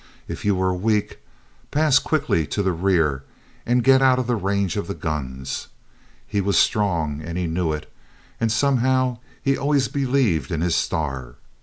If you were weak—pass quickly to the rear and get out of the range of the guns. He was strong, and he knew it, and somehow he always believed in his star.